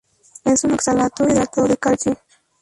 Es un oxalato hidratado de calcio.